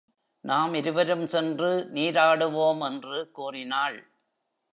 நாம் இருவரும் சென்று நீராடுவோம் என்று கூறினாள்.